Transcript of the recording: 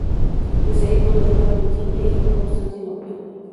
Desde ahí pone rumbo a Bitinia y Constantinopla.